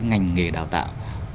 ngành nghề đào tạo